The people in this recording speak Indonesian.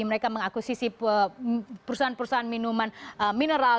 mereka mengakusisi perusahaan perusahaan minuman mineral